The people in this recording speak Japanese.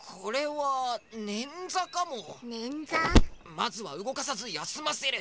まずはうごかさずやすませる。